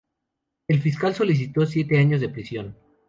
El fiscal solicitó siete años de prisión.